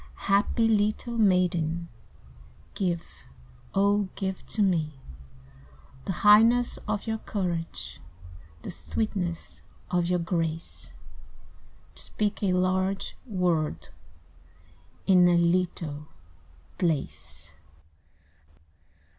"Happy little maiden, Give, O give to me The highness of your courage, The sweetness of your grace, To speak a large word, in a Little place."